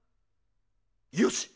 よし！